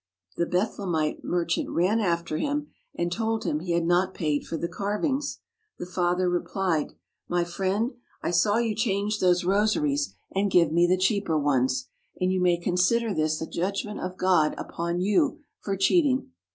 The Bethlehemite merchant ran after him, and told him he had not paid for the carvings. The father replied: "My friend, I saw you change those rosaries and give me the cheaper ones, and you may consider this a judgment of God upon you for cheating.